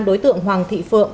đối tượng hoàng thị phượng